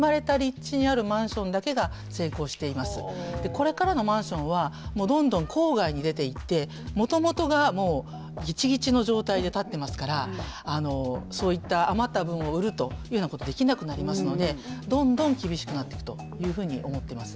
これからのマンションはどんどん郊外に出ていってもともとがギチギチの状態で建ってますからそういった余った分を売るというようなことできなくなりますのでどんどん厳しくなっていくというふうに思っています。